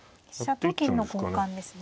飛車と金の交換ですね。